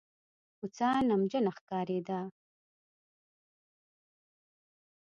کوڅه نمجنه ښکارېده.